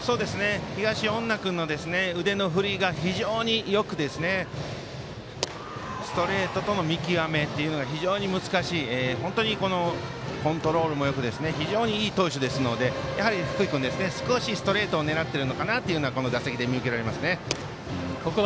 東恩納君の腕の振りが非常によくストレートとの見極めというのが非常に難しい本当にコントロールもよく非常にいい投手ですので福井君少しストレートを狙ってるのかなというのはこの打席で見受けられますね。